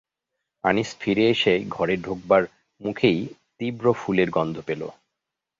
আনিস ফিরে এসে ঘরে ঢোকবার মুখেই তীব্র ফুলের গন্ধ পেল।